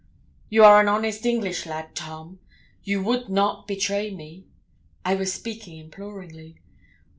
'You are an honest English lad, Tom you would not betray me?' I was speaking imploringly.